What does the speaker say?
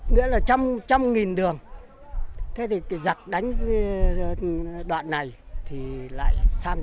nghĩa là trăm nghìn đường thế thì dắt đánh đoạn này thì lại